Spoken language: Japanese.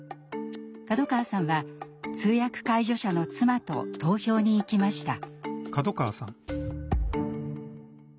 門川さんは通訳・介助者の妻と投票に行きました。